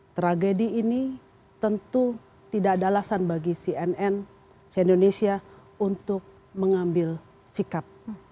tragedi ini tentu tidak ada alasan bagi cnn indonesia untuk mengambil sikap